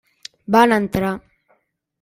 Van entrar.